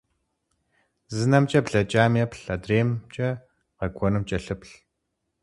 Зы нэмкӏэ блэкӏам еплъ, адреимкӏэ къэкӏуэнум кӏэлъыплъ.